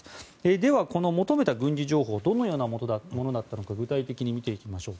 ではこの求めた軍事情報どのようなものだったのか具体的に見ていきましょう。